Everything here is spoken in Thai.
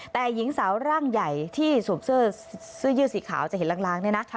แต่หญิงสาวร่างใหญ่ที่สวมเสื้อยืดสีขาวจะเห็นล้างเนี่ยนะ